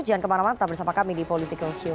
jangan kemana mana tetap bersama kami di political show